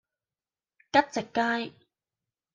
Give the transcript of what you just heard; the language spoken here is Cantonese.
吉席街